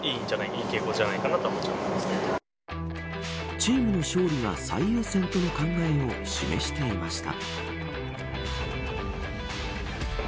チームの勝利が最優先との考えを示していました。